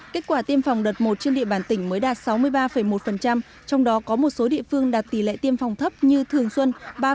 kết quả tiêm phòng đợt một trên địa bàn tỉnh mới đạt sáu mươi ba một trong đó có một số địa phương đạt tỷ lệ tiêm phòng thấp như thường xuân ba